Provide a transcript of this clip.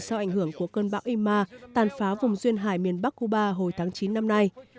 do ảnh hưởng của cơn bão ima tàn phá vùng duyên hải miền bắc cuba hồi tháng chín năm nay